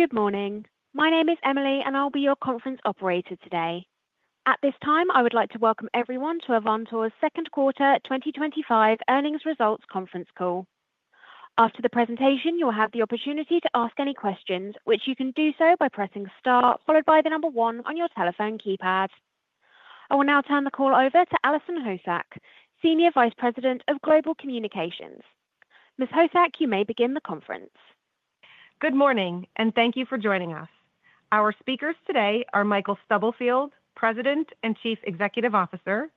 Good morning. My name is Emily and I'll be your conference operator today. At this time I would like to welcome everyone to Avantor's second quarter 2025 earnings results conference call. After the presentation you will have the opportunity to ask any questions, which you can do so by pressing star followed by the number one on your telephone keypad. I will now turn the call over to Allison Hosak, Senior Vice President of Global Communications. Ms. Hosak, you may begin the conference. Good morning and thank you for joining us. Our speakers today are Michael Stubblefield, President and Chief Executive Officer,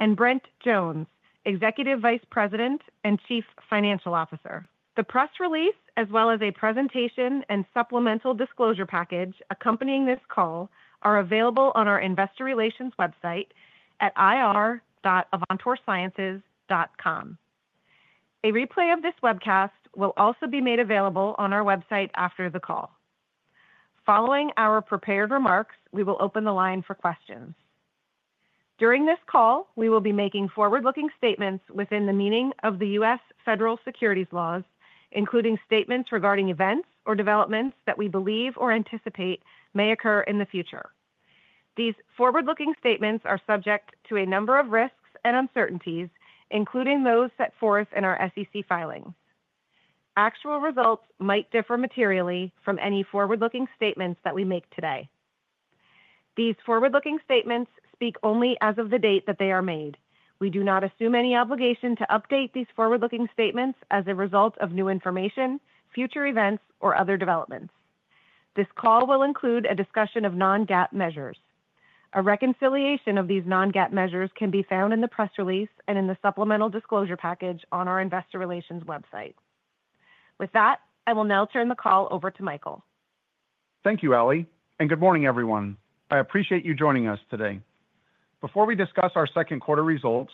and Brent Jones, Executive Vice President and Chief Financial Officer. The press release, as well as a presentation and supplemental disclosure package accompanying this call, are available on our investor relations website at ir. A replay of this webcast will also be made available on our website after the call. Following our prepared remarks, we will open the line for questions. During this call, we will be making forward-looking statements within the meaning of the U.S. Federal Securities laws, including statements regarding events or developments that we believe or anticipate may occur in the future. These forward-looking statements are subject to a number of risks and uncertainties, including those set forth in our SEC filings. Actual results might differ materially from any forward-looking statements that we make today. These forward-looking statements speak only as of the date that they are made. We do not assume any obligation to update these forward-looking statements as a result of new information, future events, or other developments. This call will include a discussion of non-GAAP measures. A reconciliation of these non-GAAP measures can be found in the press release and in the supplemental disclosure package on our investor relations website. With that, I will now turn the call over to Michael. Thank you Allie and good morning everyone. I appreciate you joining us today. Before we discuss our second quarter results,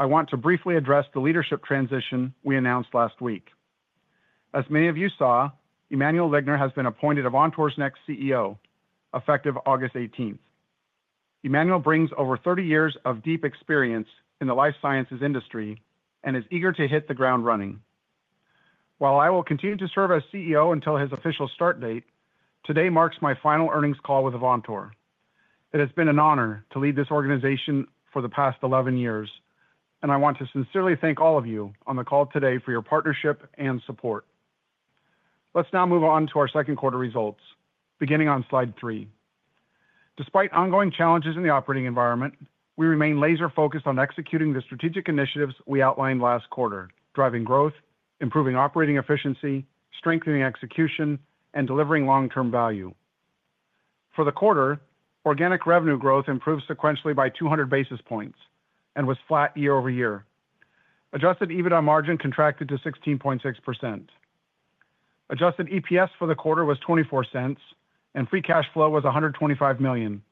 I want to briefly address the leadership transition we announced last week. As many of you saw, Emmanuel Ligner has been appointed Avantor's next CEO, effective August 18th. Emmanuel brings over 30 years of deep experience in the life sciences industry and is eager to hit the ground running. While I will continue to serve as CEO until his official start date, today marks my final earnings call with Avantor. It has been an honor to lead this organization for the past 11 years and I want to sincerely thank all of you on the call today for your partnership and support. Let's now move on to our second quarter results beginning on slide three. Despite ongoing challenges in the operating environment, we remain laser focused on executing the strategic initiatives we outlined last quarter. Driving growth, improving operating efficiency, strengthening execution, and delivering long term value for the quarter. Organic revenue growth improved sequentially by 200 basis points and was flat year over year. Adjusted EBITDA margin contracted to 16.6%, adjusted EPS for the quarter was $0.24, and free cash flow was $125 million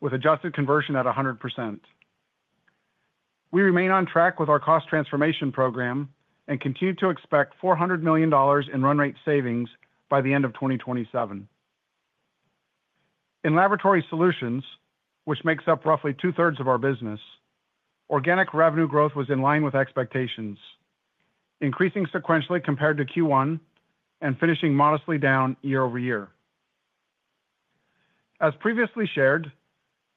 with adjusted conversion at 100%. We remain on track with our cost transformation program and continue to expect $400 million in run-rate savings by the end of 2027. In Lab Solutions, which makes up roughly two thirds of our business, organic revenue growth was in line with expectations, increasing sequentially compared to Q1 and finishing modestly. Down year-over-year. As previously shared,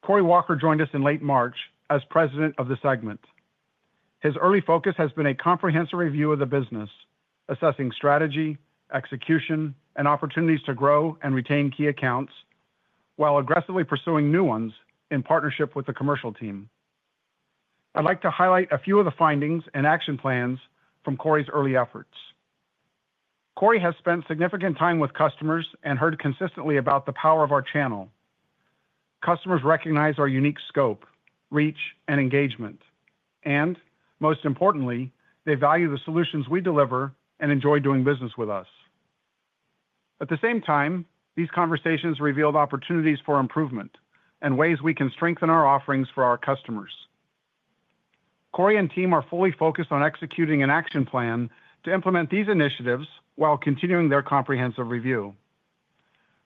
Corey Walker joined us in late March as President of the segment. His early focus has been a comprehensive review of the business, assessing strategy execution and opportunities to grow and retain key accounts while aggressively pursuing new ones. In partnership with the commercial team, I'd like to highlight a few of the findings and action plans from Corey's early efforts. Corey has spent significant time with customers and heard consistently about the power of our channel. Customers recognize our unique scope, reach, and engagement, and most importantly, they value the solutions we deliver and enjoy doing business with us. At the same time, these conversations revealed opportunities for improvement and ways we can strengthen our offerings for our customers. Corey and team are fully focused on executing an action plan to implement these initiatives while continuing their comprehensive review.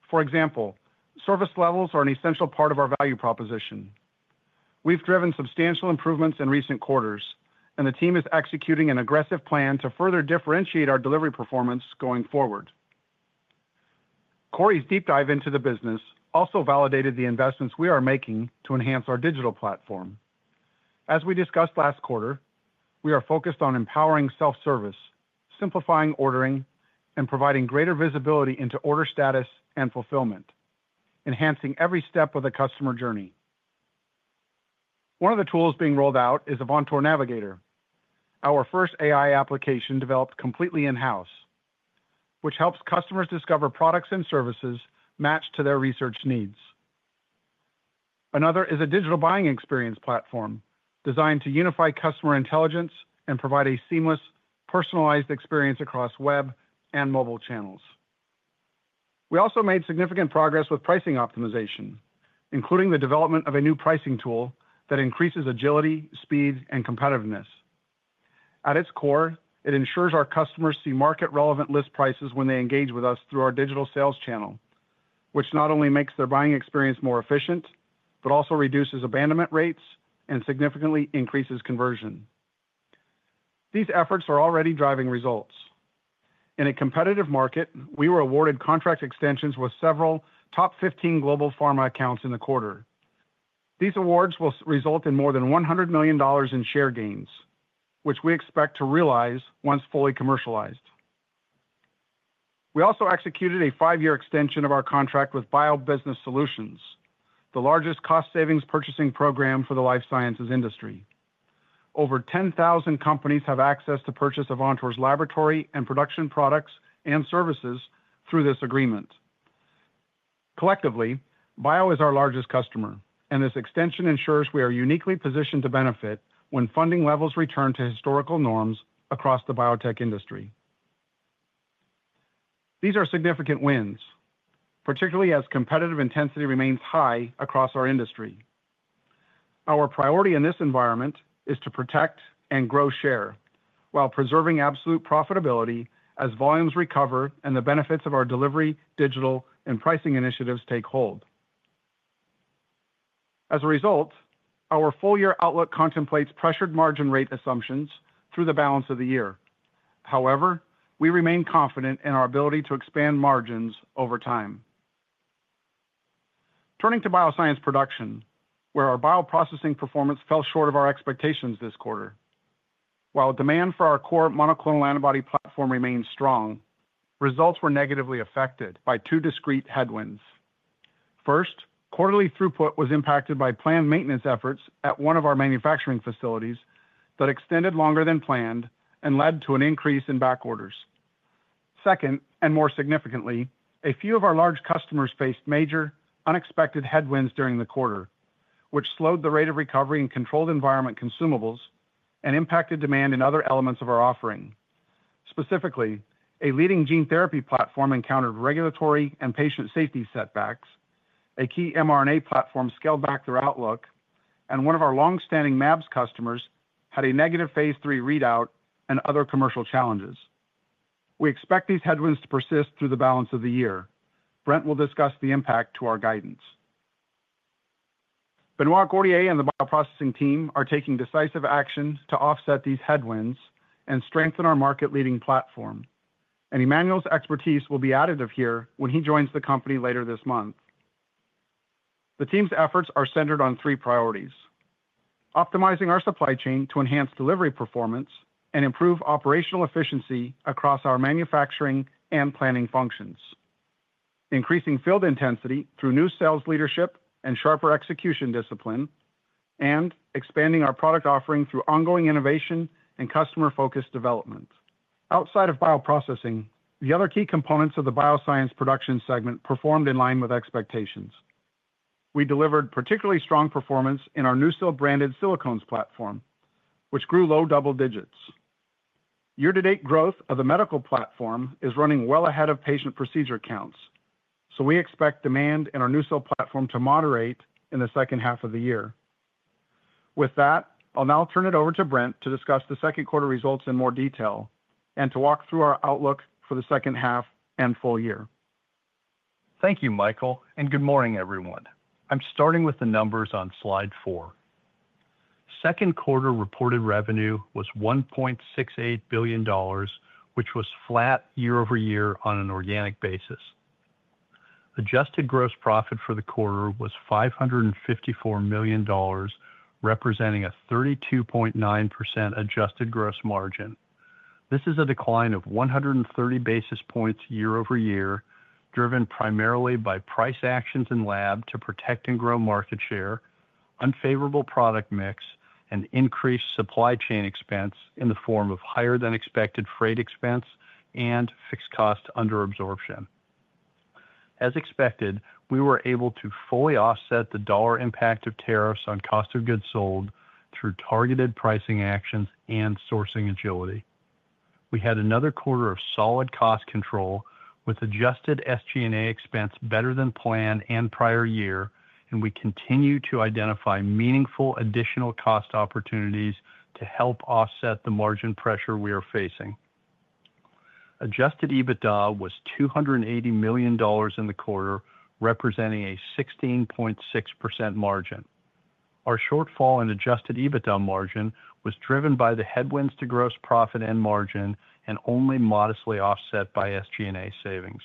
For example, service levels are an essential part of our value proposition. We've driven substantial improvements in recent quarters, and the team is executing an aggressive plan to further differentiate our delivery performance going forward. Corey's deep dive into the business also validated the investments we are making to enhance our digital platform. As we discussed last quarter, we are focused on empowering self-service, simplifying ordering, and providing greater visibility into order status and fulfillment, enhancing every step of the customer journey. One of the tools being rolled out is Avantor Navigator AI platform, our first AI application developed completely in-house, which helps customers discover products and services matched to their research needs. Another is a digital buying experience platform designed to unify customer intelligence and provide a seamless, personalized experience across web and mobile channels. We also made significant progress with pricing optimization, including the development of a new pricing tool that increases agility, speed, and competitiveness. At its core, it ensures our customers see market-relevant list prices when they engage with us through our digital sales channel, which not only makes their buying experience more efficient, but also reduces abandonment rates and significantly increases conversion. These efforts are already driving results in a competitive market. We were awarded contract extensions with several top 15 global pharma accounts in the quarter. These awards will result in more than $100 million in share gains, which we expect to realize once fully commercialized. We also executed a five-year extension of our contract with Bio Business Solutions, the largest cost savings purchasing program for the life sciences industry. Over 10,000 companies have access to purchase Avantor's laboratory and production products and services through this agreement. Collectively, Bio is our largest customer, and this extension ensures we are uniquely positioned to benefit when funding levels return to historical norms across the biotech industry. These are significant wins, particularly as competitive intensity remains high across our industry. Our priority in this environment is to protect and grow share while preserving absolute profitability as volumes recover and the benefits of our delivery, digital, and pricing initiatives take hold. As a result, our full-year outlook contemplates pressured margin rate assumptions through the balance of the year. However, we remain confident in our ability to expand margins over time. Turning to Bioscience Production, where our bioprocessing performance fell short of our expectations this quarter. While demand for our core monoclonal antibody platform remains strong, results were negatively affected by two discrete headwinds. First, quarterly throughput was impacted by planned maintenance efforts at one of our manufacturing facilities that extended longer than planned and led to an increase in backorders. Second, and more significantly, a few of our large customers faced major unexpected headwinds during the quarter, which slowed the rate of recovery in controlled environment consumables and impacted demand in other elements of our offering. Specifically, a leading gene therapy platform encountered regulatory and patient safety setbacks, a key mRNA platform scaled back their outlook, and one of our longstanding MABS customers had a negative phase three readout and other commercial challenges. We expect these headwinds to persist through the balance of the year. Brent will discuss the impact to our guidance. Benoît Gourdier and the bioprocessing team are taking decisive action to offset these headwinds and strengthen our market-leading platform. Emmanuel Ligner's expertise will be additive here when he joins the company later this month. The team's efforts are centered on three: optimizing our supply chain to enhance delivery performance and improve operational efficiency across our manufacturing and planning functions, increasing field intensity through new sales leadership and sharper execution discipline, and expanding our product offering through ongoing innovation and customer-focused development. Outside of bioprocessing, the other key components of the Bioscience Production segment performed in line with expectations. We delivered particularly strong performance in our NuSil branded silicones platform, which grew low double digits year to date. Growth of the medical platform is running well ahead of patient procedure counts, so we expect demand in our NuSil platform to moderate in the second half of the year. With that, I'll now turn it over to Brent to discuss the second quarter results in more detail and to walk through our outlook for the second half and full year. Thank you, Michael, and good morning, everyone. I'm starting with the numbers on slide four. Second quarter reported revenue was $1.68 billion, which was flat year-over-year on an organic basis. Adjusted gross profit for the quarter was $554 million, representing a 32.9% adjusted gross margin. This is a decline of 130 basis points year-over-year, driven primarily by price actions in Lab Solutions to protect and grow market share, unfavorable product mix, and increased supply chain expense in the form of higher than expected freight expense and fixed cost under absorption. As expected, we were able to fully offset the dollar impact of tariffs on cost of goods sold through targeted pricing actions and sourcing agility. We had another quarter of solid cost control, with adjusted SG&A expense better than planned and prior year, and we continue to identify meaningful additional cost opportunities to help offset the margin pressure we are facing. Adjusted EBITDA was $280 million in the quarter, representing a 16.6% margin. Our shortfall in adjusted EBITDA margin was driven by the headwinds to gross profit and margin and only modestly offset by SG&A savings.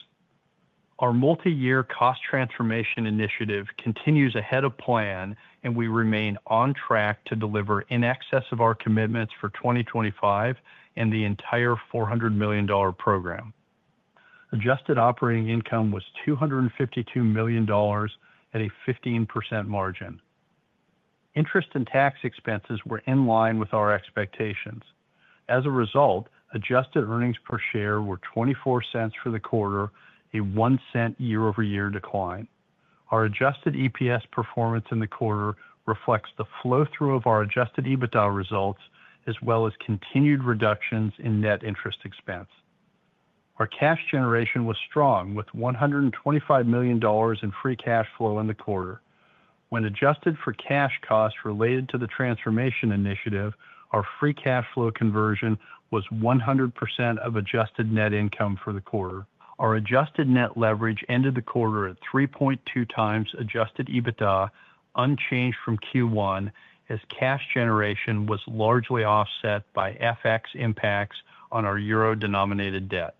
Our multi-year cost transformation initiative continues ahead of plan, and we remain on track to deliver in excess of our commitments for 2025 and the entire $400 million program. Adjusted operating income was $252 million at a 15% margin. Interest and tax expenses were in line with our expectations. As a result, adjusted earnings per share were $0.24 for the quarter, a $0.01 year-over-year decline. Our adjusted EPS performance in the quarter reflects the flow through of our adjusted EBITDA results as well as continued reductions in net interest expense. Our cash generation was strong, with $125 million in free cash flow in the quarter when adjusted for cash costs related to the transformation initiative. Our free cash flow conversion was 100% of adjusted net income for the quarter. Our adjusted net leverage ended the quarter at 3.2 times adjusted EBITDA, unchanged from Q1, as cash generation was largely offset by FX impacts on our euro denominated debt.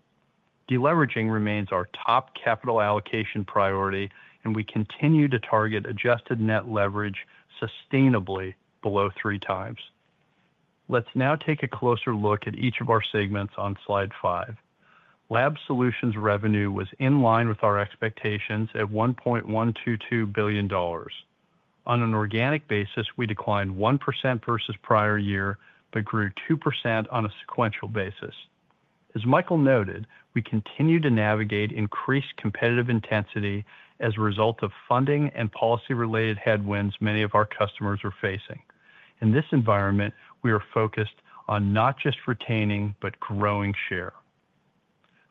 Deleveraging remains our top capital allocation priority, and we continue to target adjusted net leverage sustainably below three times. Let's now take a closer look at each of our segments on slide five. Lab Solutions revenue was in line with our expectations at $1.122 billion. On an organic basis, we declined 1% versus prior year but grew 2% on a sequential basis. As Michael noted, we continue to navigate increased competitive intensity as a result of funding and policy-related headwinds many of our customers are facing. In this environment, we are focused on not just retaining but growing share.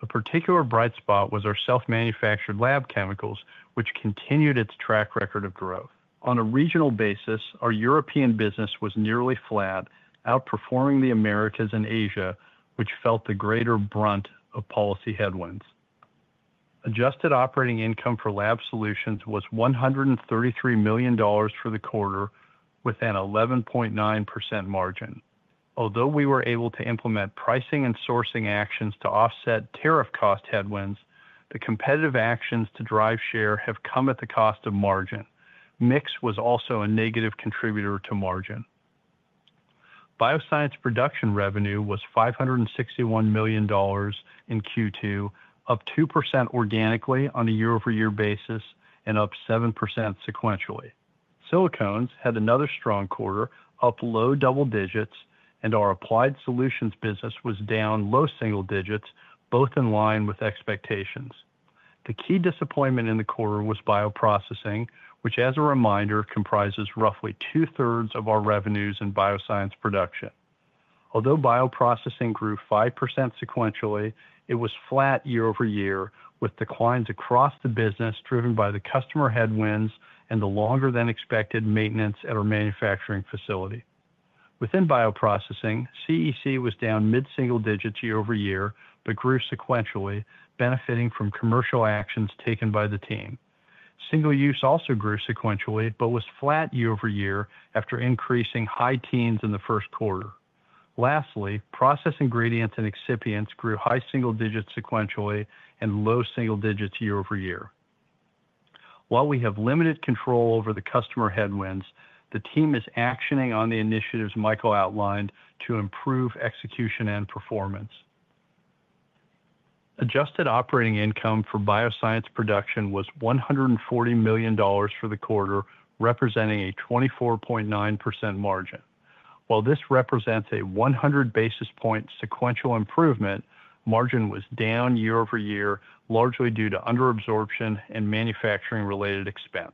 A particular bright spot was our self-manufactured Lab Chemicals, which continued its track record of growth on a regional basis. Our European business was nearly flat, outperforming the Americas and Asia, which felt the greater brunt of policy headwinds. Adjusted operating income for Lab Solutions was $133 million for the quarter with an 11.9% margin. Although we were able to implement pricing and sourcing actions to offset tariff cost headwinds, the competitive actions to drive share have come at the cost of margin. Mix was also a negative contributor to margin in Bioscience Production. Revenue was $561 million in Q2, up 2% organically on a year-over-year basis and up 7% sequentially. Silicones had another strong quarter, up low double digits, and our Applied Solutions business was down low single digits, both in line with expectations. The key disappointment in the quarter was bioprocessing, which as a reminder comprises roughly two-thirds of our revenues in Bioscience Production. Although bioprocessing grew 5% sequentially, it was flat year-over-year with declines across the business driven by the customer headwinds and the longer than expected maintenance at our manufacturing facility within bioprocessing. Controlled environment consumables was down mid single digits year-over-year but grew sequentially, benefiting from commercial actions taken by the team. Single-use solutions also grew sequentially but was flat year-over-year after increasing high teens in the first quarter. Lastly, process ingredients and excipients grew high single digits sequentially and low single digits year-over-year. While we have limited control over the customer headwinds, the team is actioning on the initiatives Michael outlined to improve execution and performance. Adjusted operating income for Bioscience Production was $140 million for the quarter, representing a 24.9% margin. While this represents a 100 basis point sequential improvement, margin was down year over year largely due to under absorption and manufacturing-related expense.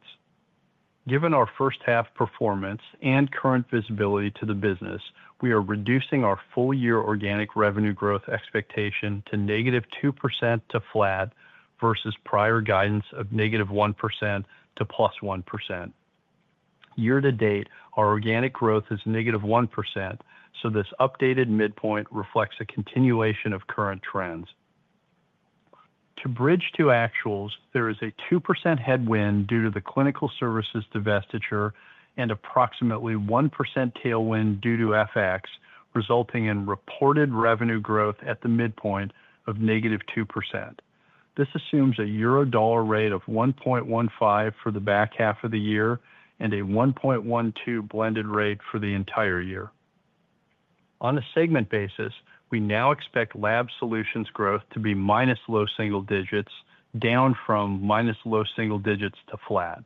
Given our first half performance and current visibility to the business, we are reducing our full year organic revenue growth expectation to -2% to flat versus prior guidance of -1% to +1%. Year to date our organic growth is -1%, so this updated midpoint reflects a continuation of current trends. To bridge to actuals, there is a 2% headwind due to the clinical services divestiture and approximately 1% tailwind due to FX, resulting in reported revenue growth at the midpoint of negative 2%. This assumes a Eurodollar rate of 1.15 for the back half of the year and a 1.12 blended rate for the entire year. On segment basis, we now expect Lab Solutions growth to be minus low single digits, down from minus low single digits to flat.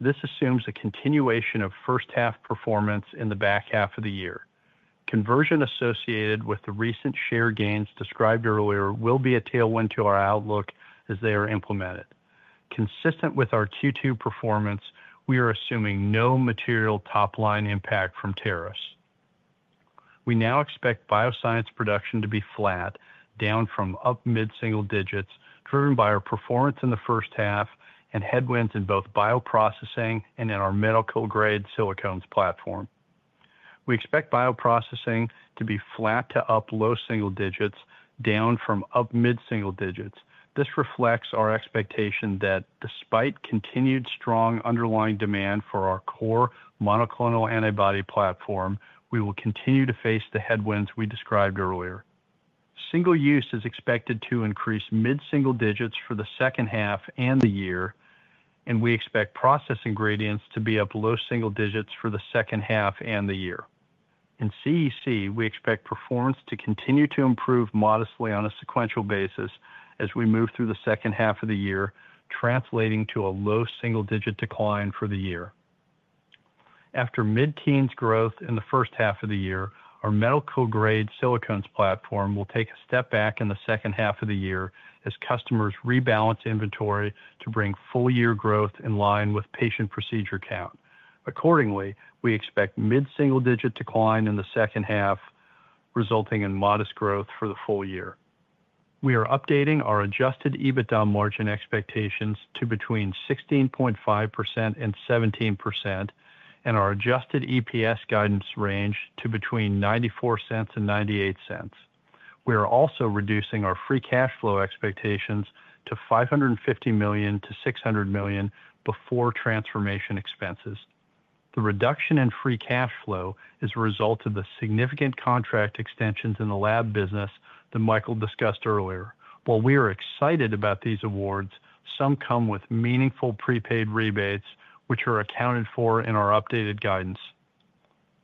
This assumes a continuation of first half performance in the back half of the year. Conversion associated with the recent share gains described earlier will be a tailwind to our outlook as they are implemented. Consistent with our Q2 performance, we are assuming no material top line impact from tariffs. We now expect Bioscience Production to be flat, down from up mid single digits, driven by our performance in the first half and headwinds in both bioprocessing and in our medical grade silicones platform. We expect bioprocessing to be flat to up low single digits, down from up mid single digits. This reflects our expectation that despite continued strong underlying demand for our core monoclonal antibody platform, we will continue to face the headwinds we described earlier. Single-use is expected to increase mid single digits for the second half and the year, and we expect process ingredients to be up low single digits for the second half and the year. In controlled environment consumables, we expect performance to continue to improve modestly on a sequential basis as we move through the second half of the year, translating to a low single digit decline for the year. After mid teens growth in the first half of the year, our medical grade silicones platform will take a step back in the second half of the year as customers rebalance inventory to bring full year growth in line with patient procedure count. Accordingly, we expect mid single digit decline in the second half, resulting in modest growth for the full year. We are updating our adjusted EBITDA margin expectations to between 16.5% and 17% and our adjusted EPS guidance range to between $0.94 and $0.98. We are also reducing our free cash flow expectations to $550 million to $600 million before transformation expenses. The reduction in free cash flow is a result of the significant contract extensions in the lab business that Michael discussed earlier. While we are excited about these awards, some come with meaningful prepaid rebates, which are accounted for in our updated guidance.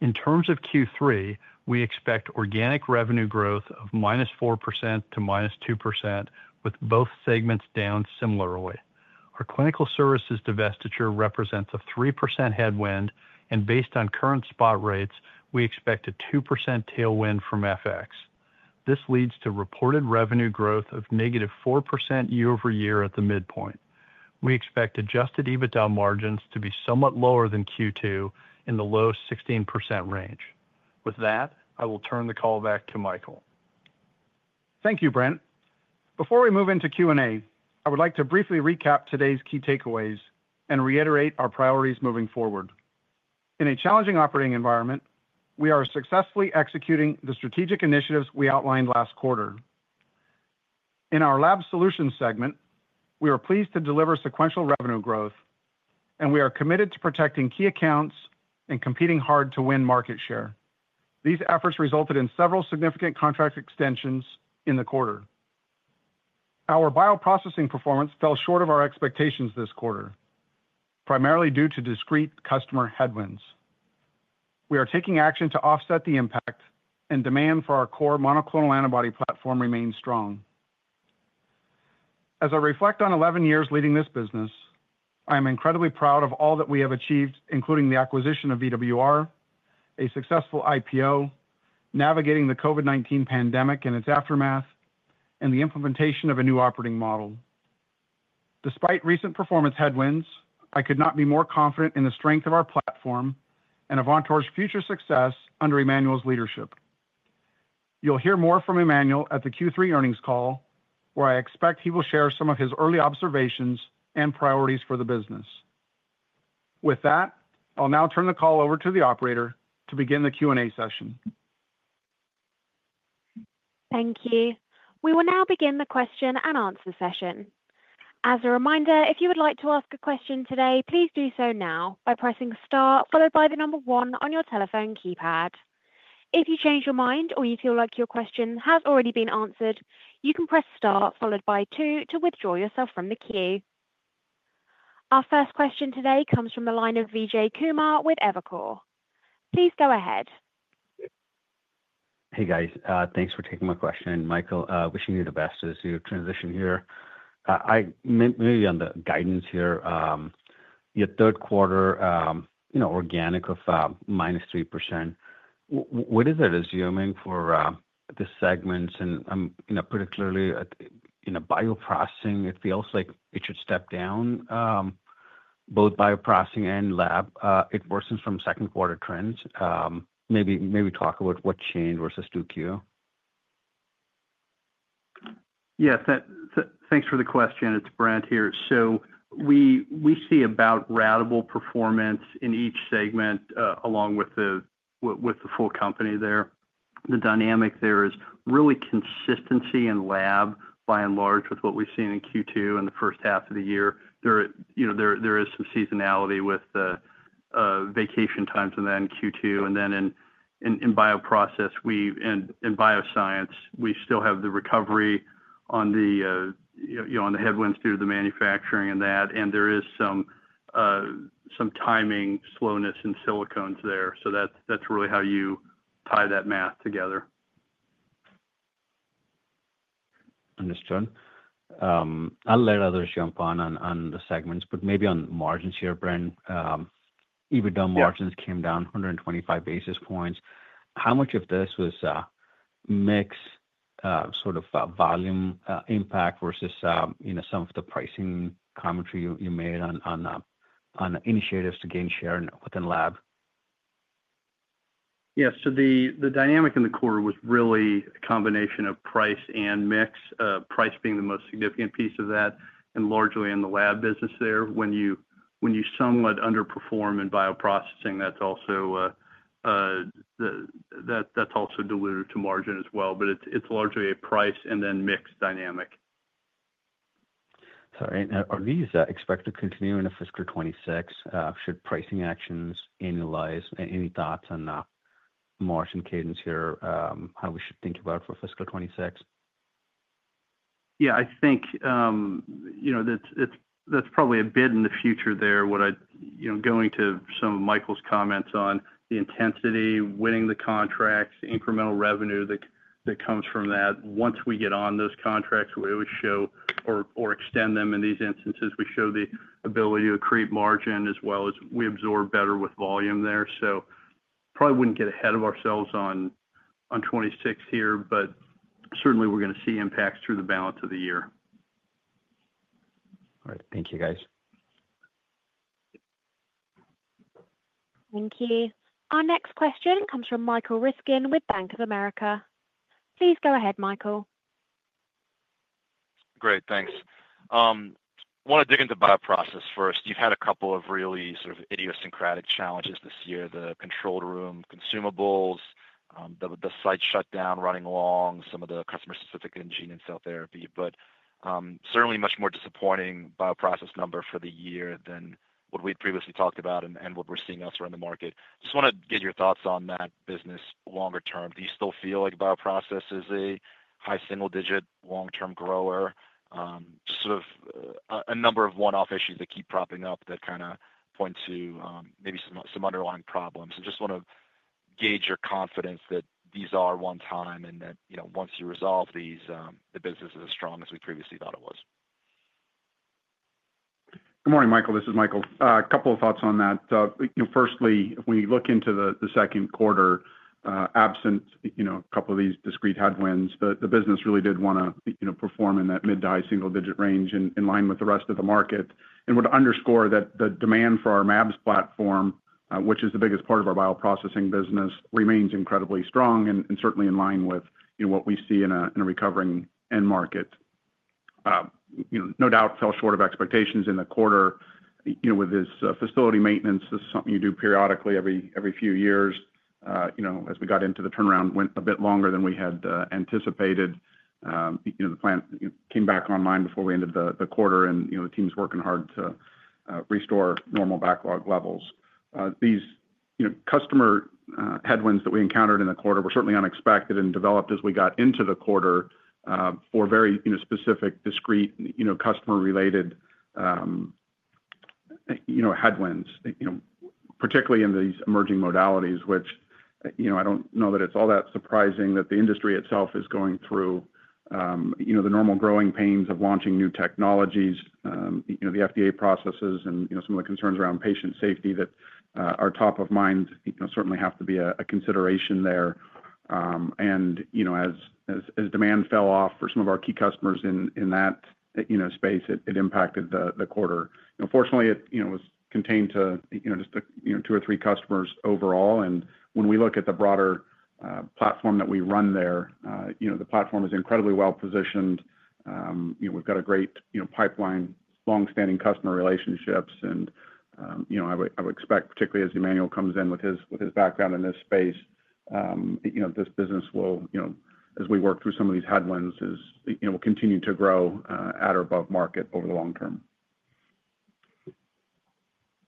In terms of Q3, we expect organic revenue growth of -4% to -2% with both segments down. Similarly, our clinical services divestiture represents a 3% headwind, and based on current spot rates, we expect a 2% tailwind from FX. This leads to reported revenue growth of -4% year-over-year. At the midpoint, we expect adjusted EBITDA margins to be somewhat lower than Q2 and in the low 16% range. With that, I will turn the call back to Michael. Thank you, Brent. Before we move into Q and A, I would like to briefly recap today's key takeaways and reiterate our priorities moving forward in a challenging operating environment. We are successfully executing the strategic initiatives we outlined last quarter in our Lab Solutions segment. We are pleased to deliver sequential revenue growth, and we are committed to protecting key accounts and competing hard to win market share. These efforts resulted in several significant contract extensions in the quarter. Our bioprocessing performance fell short of our expectations this quarter, primarily due to discrete customer headwinds. We are taking action to offset the impact, and demand for our core monoclonal antibody platform remains strong. As I reflect on 11 years leading this business, I am incredibly proud of all that we have achieved, including the acquisition of VWR, a successful IPO, navigating the COVID-19 pandemic and its aftermath, and the implementation of a new operating model. Despite recent performance headwinds, I could not be more confident in the strength of our platform and Avantor's future success under Emmanuel's leadership. You'll hear more from Emmanuel at the Q3 earnings call, where I expect he will share some of his early observations and priorities for the business. With that, I'll now turn the call over to the operator to begin the Q and A session. Thank you. We will now begin the question-and-answer session. As a reminder, if you would like to ask a question today, please do so now by pressing star followed by the number one on your telephone keypad. If you change your mind or you feel like your question has already been answered, you can press star followed by two to withdraw yourself from the queue. Our first question today comes from the line of Vijay Kumar with Evercore. Please go ahead. Hey guys, thanks for taking my question, Michael. Wishing you the best as you transition here. Maybe on the guidance here, your third quarter, you know, organic of -3%, what is it assuming for the segments. You know particularly in bioprocessing. It feels like it should step down both bioprocessing and lab. It worsens from second quarter trends. Maybe talk about what changed versus 2Q. Yeah, thanks for the question. It's Brent here. We see about ratable performance in each segment along with the full company. The dynamic there is really consistency in lab by and large with what we've seen in Q2 and the first half of the year. There is some seasonality with the vacation times in Q2, and in bioprocessing and in bioscience we still have the recovery on the headwinds due to the manufacturing and that. There is some timing slowness in silicones there. That's really how you tie that math together. Understood. I'll let others jump on the segments, but maybe on margins here. Brent, EBITDA margins came down 125 basis points. How much of this was mix, sort of volume impact, versus some of the pricing commentary you made on initiatives to gain share within lab? Yes. The dynamic in the quarter was really a combination of price and mix, price being the most significant piece of that, and largely in the lab business there when you somewhat underperform in bioprocessing, that's. Also. That's also dilutive to margin as well, but it's largely a price and then mix dynamic. Sorry. Are these expected to continue in the fiscal 2026? Should pricing actions annualize? Any thoughts on margin cadence here, how. We should think about for fiscal 2026? Yeah, I think that's probably a bit in the future there. Going to some of Michael's comments on the intensity winning the contracts, incremental revenue that comes from that. Once we get on those contracts, we always show or extend them. In these instances, we show the ability to create margin as well as we absorb better with volume there. Probably wouldn't get ahead of ourselves on 2026 here, but certainly we're going to see impacts through the balance of the year. All right, thank you guys. Thank you. Our next question comes from Michael Ryskin with Bank of America. Please go ahead, Michael. Great, thanks. Want to dig into the bioprocessing first? You've had a couple of really sort of idiosyncratic challenges this year. The controlled environment consumables, the site shutdown running along some of the customer specific in gene and cell therapy, but certainly much more disappointing bioprocessing number for the year than what we previously talked about and what we're seeing elsewhere in the market. Just want to get your thoughts on that business longer term. Do you still feel like bioprocessing is a high single digit long term grower? Sort of a number of one off issues that keep propping up that kind of point to maybe some underlying problems. I just want to gauge your confidence that these are one time and that once you resolve these, business is as strong as we previously thought it was. Good morning, Michael. This is Michael. A couple of thoughts on that. Firstly, if we look into the second quarter, absent a couple of these discrete headwinds, the business really did want to perform in that mid to high single digit range in line with the rest of the market and would underscore that the demand for our MABS platform, which is the biggest part of our bioprocessing business, remains incredibly strong and certainly in line with what we see in a recovering end market. No doubt fell short of expectations in the quarter. With this facility, maintenance is something you do periodically every few years. As we got into the turnaround, it went a bit longer than we had anticipated. The plant came back online before we ended the quarter, and the team's working hard to restore normal backlog levels. These customer headwinds that we encountered in the quarter were certainly unexpected and developed as we got into the quarter for very specific discrete customer related headwinds, particularly in these emerging modalities, which I don't know that it's all that surprising that the industry itself is going through the normal growing pains of launching new technologies. The FDA processes and some of the concerns around patient safety that are top of mind certainly have to be a consideration there. As demand fell off for some of our key customers in that space, it impacted the quarter. Fortunately, it was contained to two or three customers overall. When we look at the broader platform that we run there, the platform is incredibly well positioned. We've got a great pipeline, long standing customer relationships, and I would expect, particularly as Emmanuel comes in with his background in this space, this business will, as we work through some of these headwinds, continue to grow at or above market over the long term.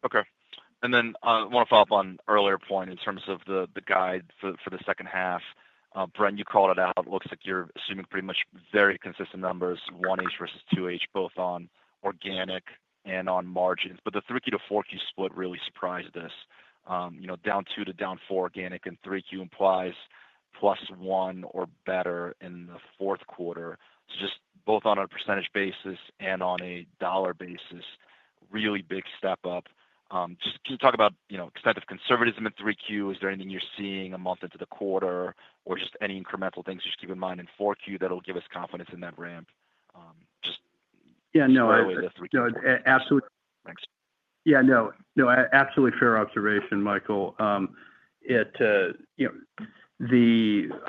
Okay. I want to follow up on an earlier point in terms of the guide for the second half. Brent, you called it out. It looks like you're assuming pretty much very consistent numbers, 1H versus 2H both on organic and on margins. The 3Q 4Q split really surprised us. Down 2% to down 4% organic in 3Q implies plus 1% or better in the fourth quarter, both on a percentage basis and on a dollar basis. Really big step up. Can you talk about the extent of conservatism in 3Q? Is there anything you're seeing a month into the quarter or any incremental things to keep in mind in 4Q that'll give us confidence in that ramp? Just. Absolutely. Thanks. Fair observation, Michael. I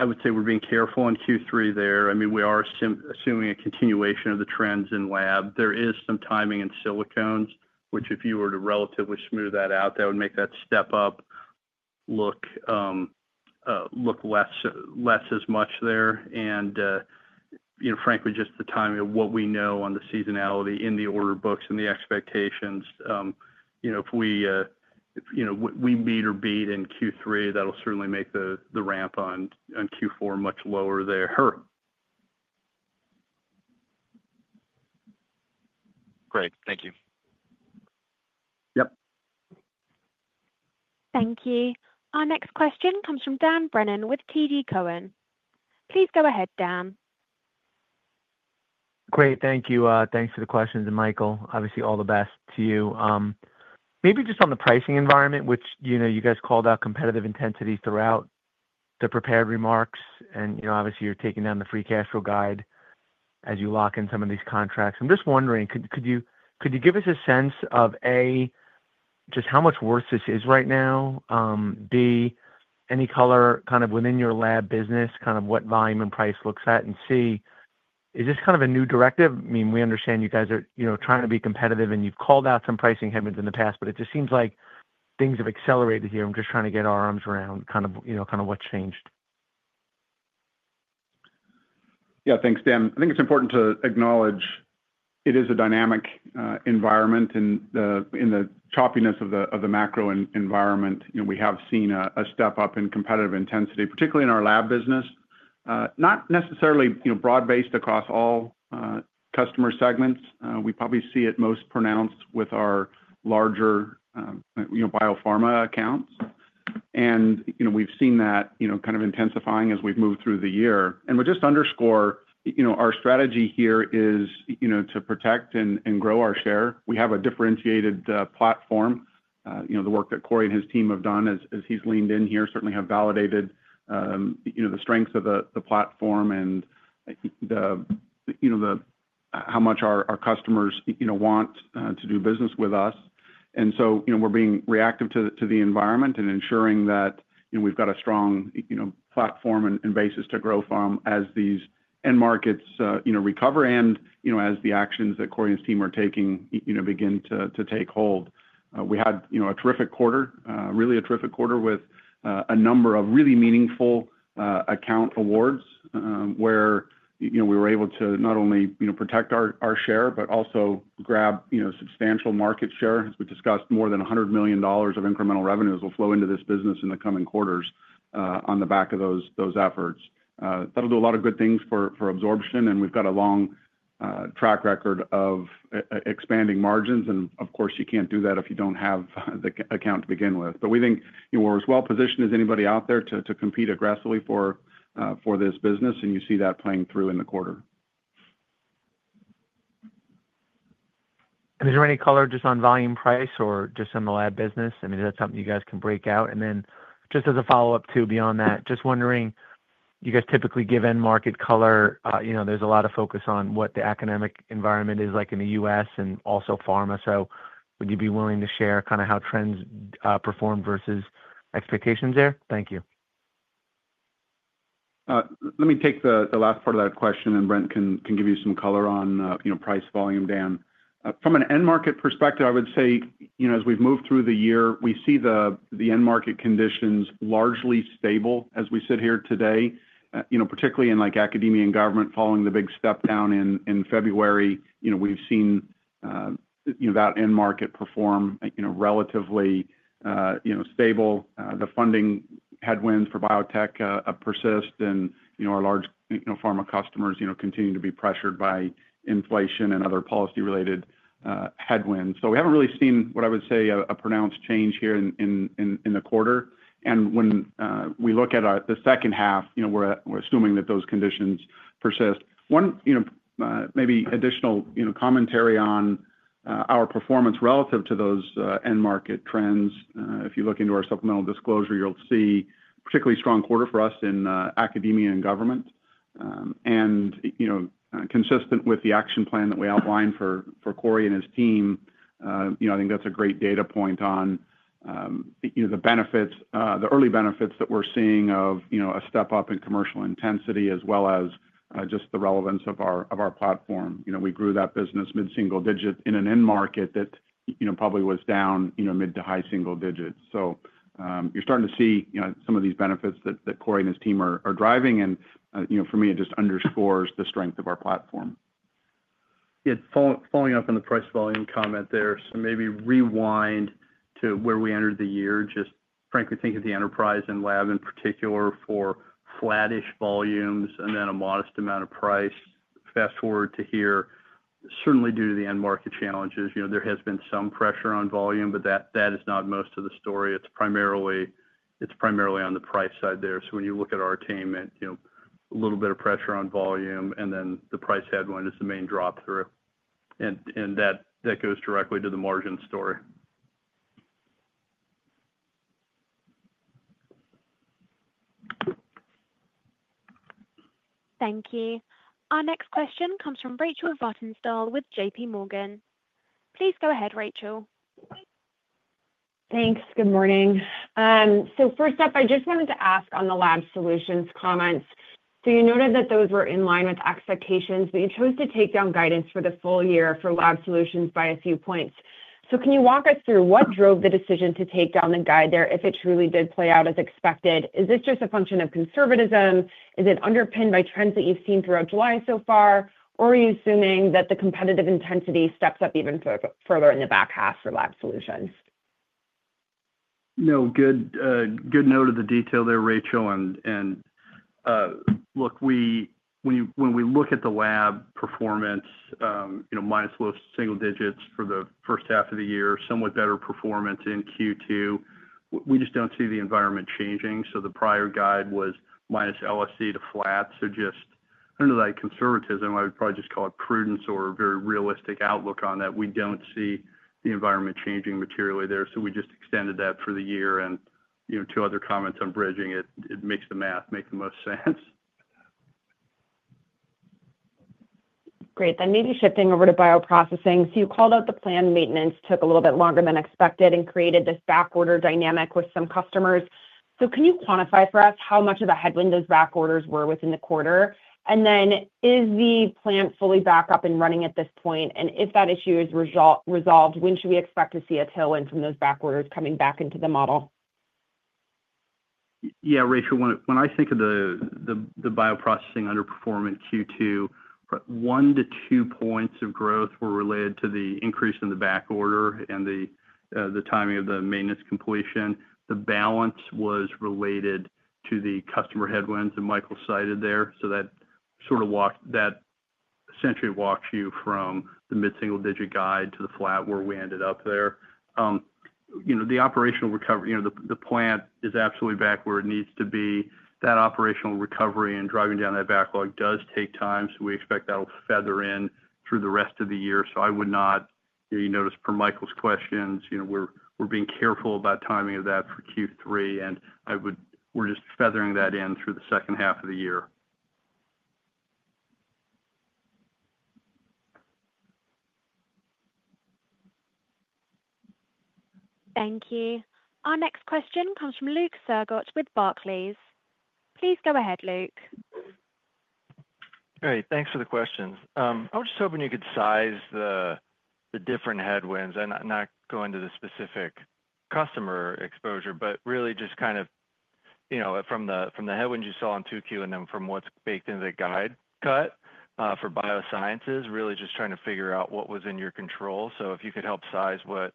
would say we're being careful in Q3 there. We are assuming a continuation of the trends in lab. There is some timing in silicones which, if you were to relatively smooth that out, that would make that step up look less as much there. Frankly, just the timing of what we know on the seasonality in the order books and the expectations, if we meet or beat in Q3, that'll certainly make the ramp on Q4 much lower there. Great. Thank you. Yep. Thank you. Our next question comes from Dan Brennan with TD Cowen. Please go ahead. Great, thank you. Thanks for the questions. Michael, obviously, all the best to you. Maybe just on the pricing environment, which, you know, you guys called out competitive intensity throughout the prepared remarks, and you know, obviously you're taking down the free cash flow guide as you lock in some of these contracts. I'm just wondering, could you give us a sense of A, just how much worse this is right now, B, any color kind of within your lab business, kind of what volume and price looks at, and C, is this kind of a new directive? I mean, we understand you guys are trying to be competitive and you've called out some pricing headwinds in the past, but it just seems like things have accelerated here. I'm just trying to get our arms around kind of what changed. Yeah, thanks, Dan. I think it's important to acknowledge it is a dynamic environment. In the choppiness of the macro environment, we have seen a step up in competitive intensity, particularly in our lab business. Not necessarily broad based across all customer segments. We probably see it most pronounced with our larger biopharma accounts. We've seen that kind of intensifying as we've moved through the year. I will just underscore our strategy here is to protect and grow our share. We have a differentiated platform. The work that Corey and his team have done as he's leaned in here certainly have validated the strength of the platform and how much our customers want to do business with us. We're being reactive to the environment and ensuring that we've got a strong platform and basis to grow from as these end markets recover and as the actions that Corey and his team are taking begin to take hold. We had a terrific quarter, really a terrific quarter with a number of really meaningful account awards where we were able to not only protect our share, but also grab substantial market share. As we discussed, more than $100 million of incremental revenues will flow into this business in the coming quarters. On the back of those efforts, that'll do a lot of good things for absorption and we've got a long track record of expanding margins and of course you can't do that if you don't have the account to begin with. We think we're as well positioned as anybody out there to compete aggressively for this business. You see that playing through in the quarter. Is there any color just on volume, price, or just in the Lab business? I mean, that's something you guys can break out, and then just as a follow-up to beyond that, just wondering, you guys typically give end market color. You know, there's a lot of focus on what the economic environment is like in the U.S. and also pharma. Would you be willing to share kind of how trends do perform versus expectations there? Thank you. Let me take the last part of that question, and Brent can give you some color on price volume. Dan, from an end market perspective, I. Would say as we've moved through the year, we see the end market conditions largely stable. As we sit here today, particularly in academia and government following the big step down in February, we've seen that end market perform relatively stable. The funding headwinds for biotech persist and our large pharma customers continue to be pressured by inflation and other policy related headwinds. We haven't really seen what I would say a pronounced change here in the quarter. When we look at the second half, we're assuming that those conditions persist. Maybe additional commentary on our performance relative to those end market trends. If you look into our supplemental disclosure, you'll see particularly strong quarter for us in academia and government and consistent with the action plan that we outlined for Corey and his team. I think that's a great data point on the early benefits that we're seeing of a step up in commercial intensity as well as just the relevance of our platform. We grew that business mid single digit in an end market that probably was down mid to high single digits. You're starting to see some of these benefits that Corey and his team are driving. For me it just underscores the strength of our platform. Following up on the price volume comment there. Maybe rewind to where we entered the year. Just frankly think of the enterprise and Lab in particular for flattish volumes and then a modest amount of price. Fast forward to here. Certainly, due to the end market challenges, there has been some pressure on volume, but that is not most of the story. It's primarily on the price side there. When you look at our attainment, a little bit of pressure on volume and then the price headwind is the main drop through and that goes directly to the margin. Thank you. Our next question comes from Rachel Vatnsdal with JPMorgan. Please go ahead, Rachel. Thanks. Good morning. First up, I just wanted to ask on the Lab Solutions comments. You noted that those were in line with expectations, but you chose to take down guidance for the full year for Lab Solutions by a few points. Can you walk us through what drove the decision to take down the guide there? If it truly did play out as expected, is this just a function of conservatism? Is it underpinned by trends that you've seen throughout July so far? Are you assuming that the competitive intensity steps up even further in the back half for Lab Solutions? Good note of the detail there, Rachel. When we look at the lab performance minus low single digits for the first half of the year, somewhat better performance in Q2, we just don't see the environment changing. The prior guide was minus LSD to flat. Just under that conservatism, I would probably just call it prudence or very realistic outlook on that. We don't see the environment changing materially there. We just extended that for the year. Two other comments on bridging it. It makes the math make the most sense. Great. Maybe shifting over to bioprocessing. You called out the planned maintenance, took a little bit longer than expected and created this back order dynamic with some customers. Can you quantify for us how much of a headwind those back orders were within the quarter? Is the plant fully back up and running at this point? If that issue is resolved, when should we expect to see a tailwind from those back orders coming back into the model? Yeah, Rachel, when I think of the bioprocessing underperform in Q2, 1-2 points of growth were related to the increase in the backorder and the timing of the maintenance completion. The balance was related to the customer headwinds Michael cited there. That essentially walks you from the mid single digit guide to the flat where we ended up there. The operational recovery, the plant is absolutely back where it needs to be. That operational recovery and driving down that backlog does take time, so we expect that will feather in through the rest of the year. I would not, you notice from Michael's questions, we're being careful about timing of that for Q3 and we're just feathering that in through the second half of the year. Thank you. Our next question comes from Luke Sergott with Barclays. Please go ahead, Luke. Great, thanks for the questions. I was just hoping you could size the different headwinds and not go into the specific customer exposure, but really just kind of, you know, from the headwinds you saw in 2Q and then from what's baked into the guide cut for Biosciences, really just trying to figure out what was in your control. If you could help size what.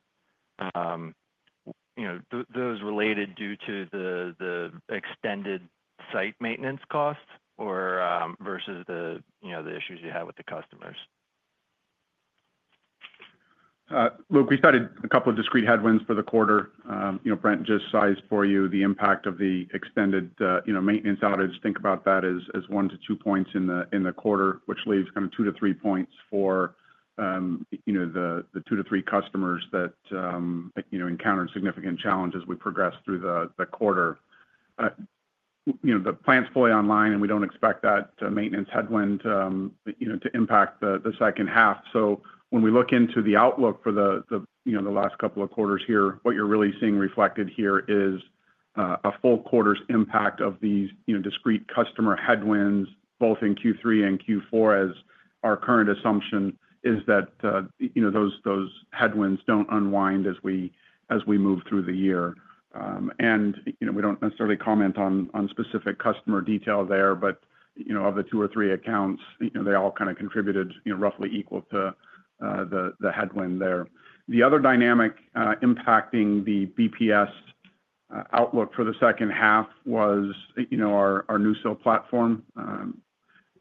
You know, those related to the. Extended site maintenance costs versus the, you know, the issues you have with the customers. Luke, we cited a couple of discrete headwinds for the quarter. Brent just sized for you the impact of the extended maintenance outage. Think about that as one to two points in the quarter, which leaves kind of two to three points for the two to three customers that encountered significant challenges. We progressed through the quarter, the plant's fully online, and we don't expect that maintenance headwind to impact the second half. When we look into the outlook for the last couple of quarters here, what you're really seeing reflected is a full quarter's impact of these discrete customer headwinds both in Q3 and Q4. Our current assumption is that those headwinds don't unwind as we move through the year. We don't necessarily comment on specific customer detail there, but of the two or three accounts, they all kind of contributed roughly equal to the headwind there. The other dynamic impacting the BPS outlook for the second half was our NuSil platform.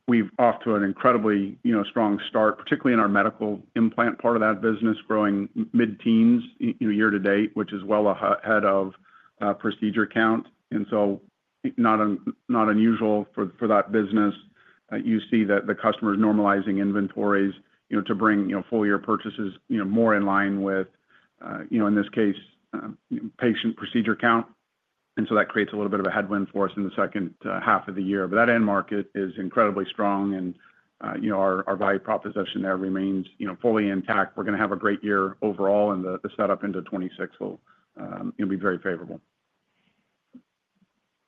We've off to an incredibly strong start, particularly in our medical implant part of that business, growing mid teens year to date, which is well ahead of procedure count. It's not unusual for that business. You see that the customer is normalizing inventories to bring full year purchases more in line with, in this case, patient procedure count. That creates a little bit of a headwind for us in the second half of the year. That end market is incredibly strong, and our value proposition there remains fully intact. We're going to have a great year overall, and the setup into 2026 will be very favorable.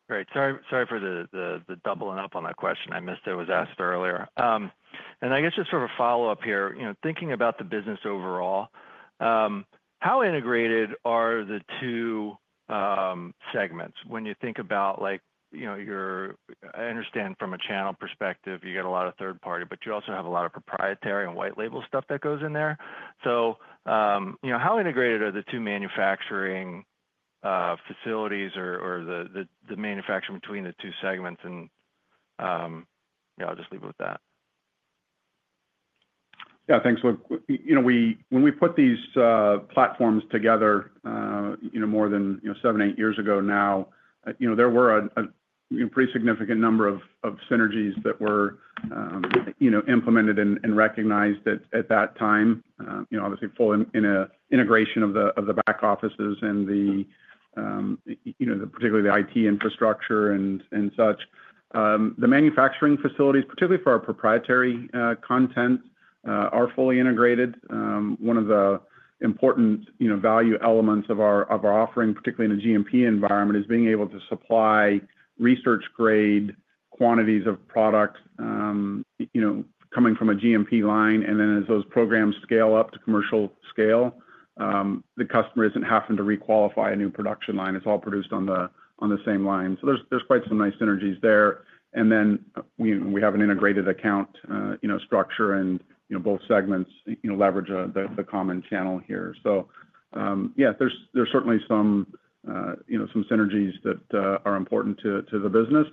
Great. Sorry for the doubling up on that question. I missed it was asked earlier. I guess just sort of a follow up here. Thinking about the business overall, how integrated are the two segments? When you think about, you know, your, I understand from a channel perspective. You get a lot of third party. You also have a lot of. Proprietary and white label stuff that goes in there. You know, how integrated are the two manufacturing facilities or the manufacturing between the two segments? I'll just leave it with that. Yeah. Thanks, Luke. When we put these platforms together, more than seven, eight years ago now, there were a pretty significant number of synergies that were implemented and recognized at that time. Obviously, full integration of the back offices and particularly the IT infrastructure and such. The manufacturing facilities, particularly for our proprietary. Content are fully integrated. One of the important value elements of our offering, particularly in a GMP environment, is being able to supply research grade quantities of product coming from a GMP line. As those programs scale up to commercial scale, the customer isn't having to requalify a new production line. It's all produced on the same line. There's quite some nice synergies there. We have an integrated account structure and both segments leverage the common channel here. There's certainly some synergies that are important to the business.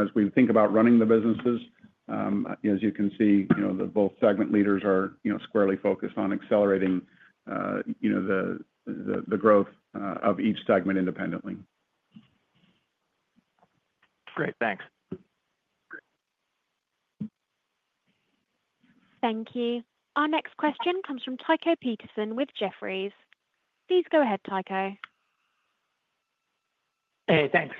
As we think about running the businesses, as you can see, both segment leaders are squarely focused on accelerating the growth of each segment independently. Great, thanks. Thank you. Our next question comes from Tycho Peterson with Jefferies. Please go ahead, Tycho. Hey, thanks.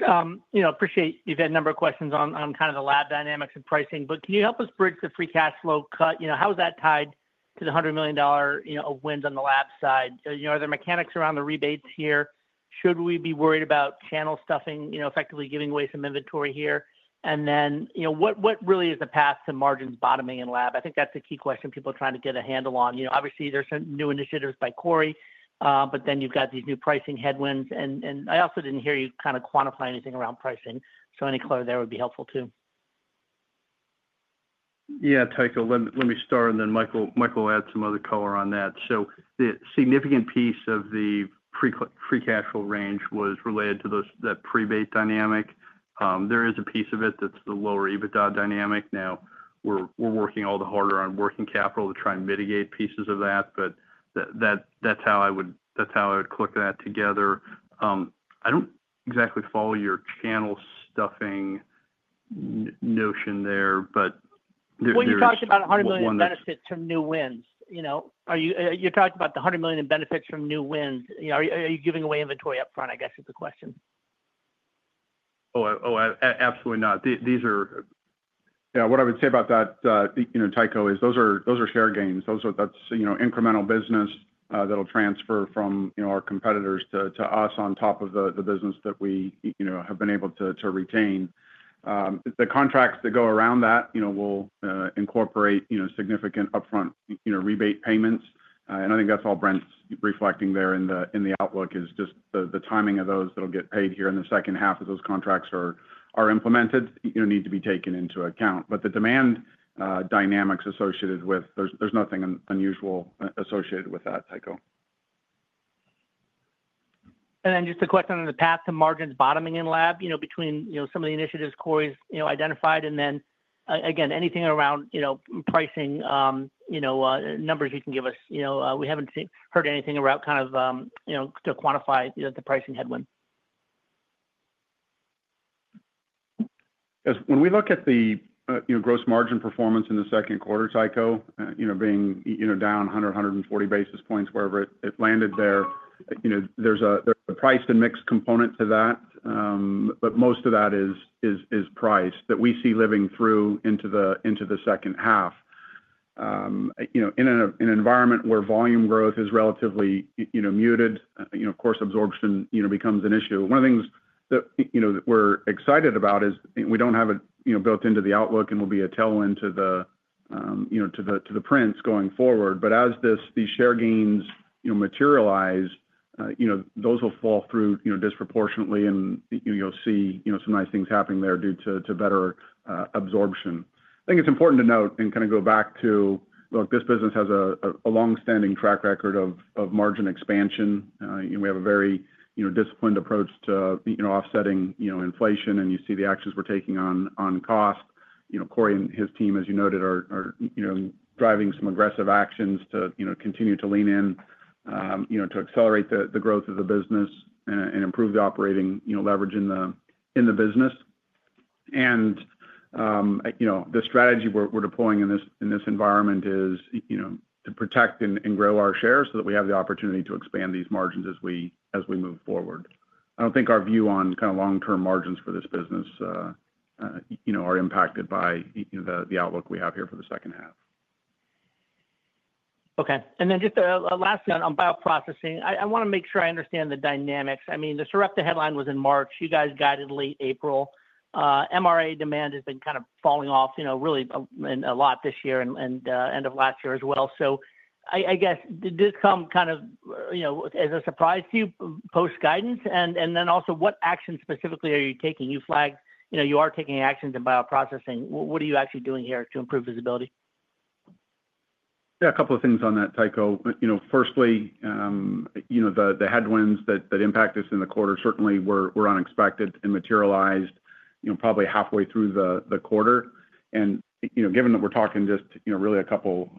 Appreciate you've had a number of questions on kind of the lab dynamics and pricing, but can you help us bridge the free cash flow cut? How is that tied to the $100 million wins on the lab side? Are there mechanics around the rebates here? Should we be worried about channel stuffing effectively giving away some inventory here? What really is the path to margins bottoming in lab? I think that's a key question people trying to get a handle on. Obviously there's new initiatives by Corey, but then you've got these new pricing headwinds and I also didn't hear you kind of quantify anything around pricing. Any color there would be helpful too. Yeah, Tycho, let me start and then Michael, add some other color on that. The significant piece of the free cash flow range was related to those, that prebate dynamic. There is a piece of it that's the lower EBITDA dynamic. We're working all the harder on working capital to try and mitigate pieces of that. That's how I would click that together. I don't exactly follow your channel stuffing notion there, but when you talk about. Are you talking about the $100 million in benefits from new wins? Are you giving away inventory up front, I guess is the question. Oh, absolutely not. These are what I would say about that. You know, Tycho, those are share gains. Those are, that's, you know, incremental business that'll transfer from our competitors to us on top of the business that we have been able to retain. The contracts that go around that will incorporate significant upfront rebate payments. I think that's all Brent's reflecting there in the outlook is just the timing of those that will get paid here in the second half if those contracts are implemented need to be taken into account. The demand dynamics associated with, there's nothing unusual associated with that, Tycho. I have a question on the path to margins bottoming in Lab Solutions, between some of the initiatives Corey's identified. Is there anything around pricing, numbers you can give us? We haven't heard anything to quantify the pricing headwind. When we look at the gross margin performance in the second quarter, Tycho being down 100, 140 basis points, wherever it landed there, there's a price and mix component to that. Most of that is price that we see living through into the second half. In an environment where volume growth is relatively muted, of course, absorption becomes an issue. One of the things that we're excited about is we don't have it built into the outlook and it will be a tailwind to the prints going forward. As these share gains materialize, those will fall through disproportionately and you'll see some nice things happening there due to better absorption. I think it's important to note and kind of go back to look, this business has a long standing track record of margin expansion. We have a very disciplined approach to offsetting inflation. You see the actions we're taking on cost. Corey and his team, as you noted, are driving some aggressive actions to continue to lean in to accelerate the growth of the business and improve the operating leverage in the business. The strategy we're deploying in this environment is to protect and grow our shares so that we have the opportunity to expand these margins as we move forward. I don't think our view on long term margins for this business are impacted by the outlook we have here for the second half. Okay. Just last on bioprocessing, I want to make sure I understand the dynamics. I mean, the Sarepta headline was in March. You guys guided late April. mRNA demand has been kind of falling off, you know, really a lot this year and end of last year as well. I guess this come kind of, you know, as a surprise to you post guidance. Also, what action specifically are you taking? You flagged, you know, you are taking actions in bioprocessing. What are you actually doing here to improve visibility? Yeah, a couple of things on that, Tycho. Firstly, the headwinds that impact us in the quarter certainly were unexpected and materialized probably halfway through the quarter. Given that we're talking just really a couple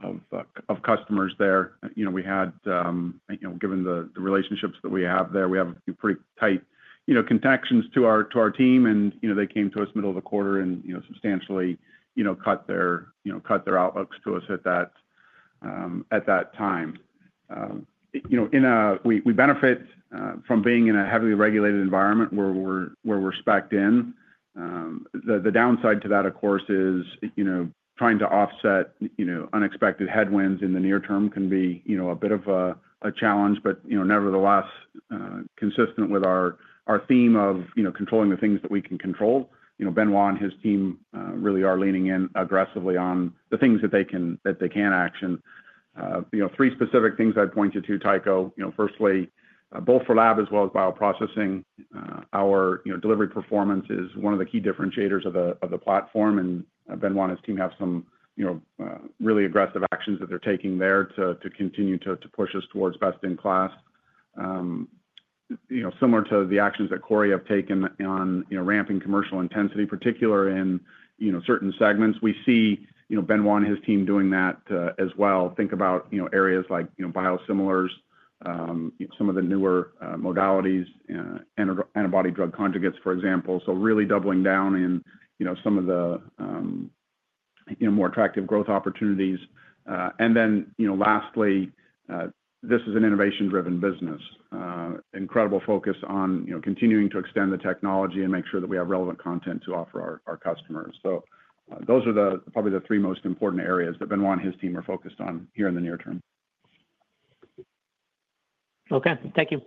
of customers there, we had, given the relationships that we have there, we have pretty tight contractions to our team and they came to us middle of the quarter and substantially cut their outlooks to us at that time. We benefit from being in a heavily regulated environment where we're spec'd in. The downside to that, of course, is trying to offset unexpected headwinds in the near term can be a bit of a challenge. Nevertheless, consistent with our theme of controlling the things that we can control, Benoît and his team really are leaning in aggressively on the things that they can action. Three specific things I'd point you to, Tycho. Firstly, both for lab as well as bioprocessing, our delivery performance is one of the key differentiators of the platform. Benoît and his team have some really aggressive actions that they're taking there to continue to push us towards best in class, similar to the actions that Corey has taken on ramping commercial intensity, particularly in certain segments. We see Benoît and his team doing that as well. Think about areas like biosimilars, some of the newer modalities, antibody drug conjugates, for example, so really doubling down in some of the more attractive growth opportunities. Lastly, this is an innovation-driven business. Incredible focus on continuing to extend the technology and make sure that we have relevant content to offer our customers. Those are probably the three most important areas that Benoît and his team are focused on here in the near term. Okay, thank you.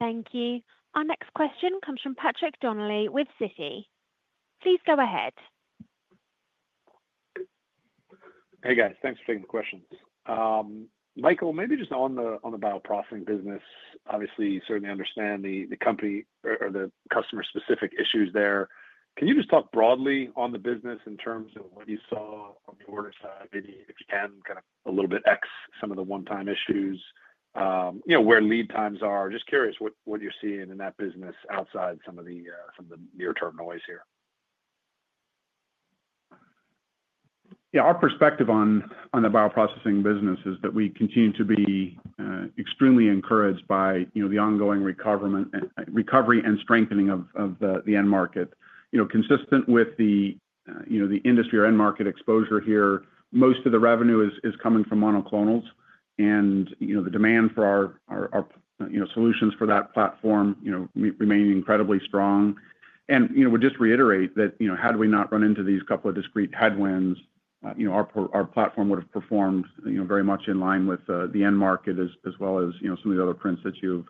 Thank you. Our next question comes from Patrick Donnelly with Citi. Please go ahead. Hey guys, thanks for taking the questions. Michael, maybe just on the bioprocessing business, obviously you certainly understand the company or the customer specific issues there. Can you just talk broadly on the. Business in terms of what you saw. On the order side? Maybe you can kind of a. A little bit, some of the one-time issues, you know, where lead times are. Just curious what you're seeing in that business outside some of the near-term noise here. Yeah. Our perspective on the bioprocessing business is that we continue to be extremely encouraged by the ongoing recovery and strengthening of the end market, consistent with the industry or end market exposure here. Most of the revenue is coming from monoclonal antibody and the demand for our solutions for that platform remain incredibly strong. We'll just reiterate that had we not run into these couple of discrete headwinds, our platform would have performed very much in line with the end market as well as some of the other prints that you've